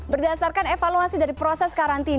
berdasarkan evaluasi dari proses karantina